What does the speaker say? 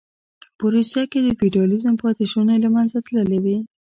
په روسیه کې د فیوډالېزم پاتې شوني له منځه تللې وې